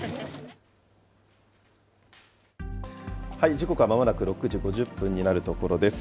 時刻はまもなく６時５０分になるところです。